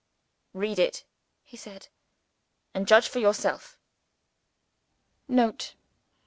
"Read it!" he said; "and judge for yourself." [Note.